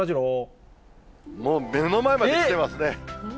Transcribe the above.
もう目の前まで来てますね。